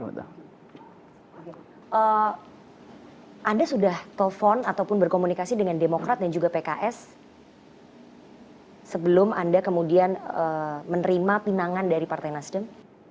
anda sudah telpon ataupun berkomunikasi dengan demokrat dan juga pks sebelum anda kemudian menerima pinangan dari partai nasdem